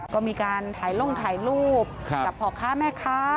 ก็มีการถ่ายลงถ่ายรูปกับพ่อค้าแม่ค้า